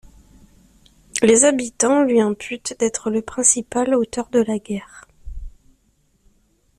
Les habitans lui imputent d'être le principal auteur de la guerre.